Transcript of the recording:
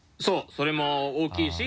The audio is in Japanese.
それも大きいし。